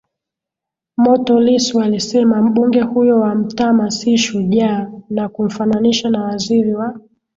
moto Lissu alisema mbunge huyo wa Mtama si shujaa na kumfananisha na waziri wa